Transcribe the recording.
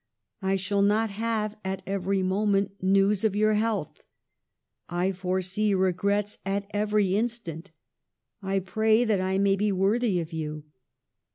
I shall not have at every moment news of your health. I foresee regrets at every instant. ... I pray that I may be worthy of you.